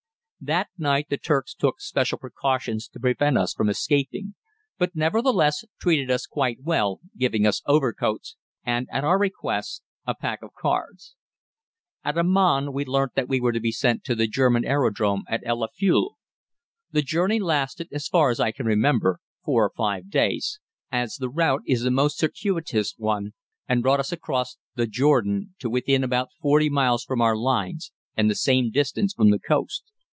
That night the Turks took special precautions to prevent us from escaping, but nevertheless treated us quite well, giving us overcoats and at our request a pack of cards. At Aman we learnt that we were to be sent to the German aerodrome at El Afule. The journey lasted, as far as I remember, four or five days, as the route is a most circuitous one and brought us across the Jordan to within about 40 miles from our lines and the same distance from the coast.